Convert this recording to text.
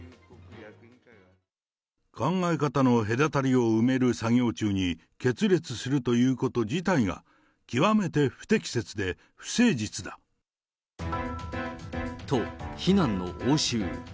考え方の隔たりを埋める作業中に決裂するということ自体が、極めて不適切で、不誠実だ。と、非難の応酬。